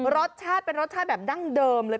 รสชาติเป็นรสชาติแบบดั้งเดิมเลย